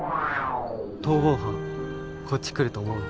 逃亡犯こっち来ると思う？